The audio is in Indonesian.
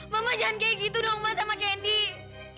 mama jangan kayak gitu dong ma sama gendy